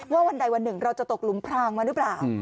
วันใดวันหนึ่งเราจะตกหลุมพรางมาหรือเปล่า